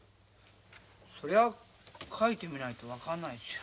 そりゃ描いてみないと分かんないですよ。